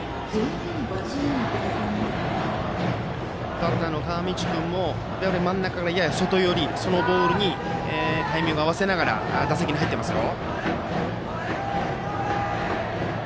バッターの川道君も真ん中からやや外寄りのそのボールにタイミングを合わせながら打席に入っていますよ。